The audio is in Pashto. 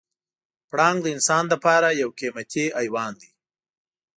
پړانګ د انسان لپاره یو قیمتي حیوان دی.